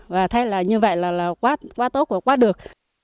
và thế là như vậy là quá tốt và quá được